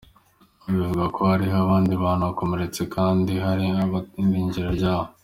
Bivugwa ko hariho abandi bantu bakomeretse kandi hari n'abo bataramenya irengero ryabo.